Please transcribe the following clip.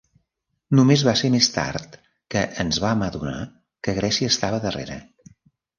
Només va ser més tard que ens vam adonar que Grècia estava darrere.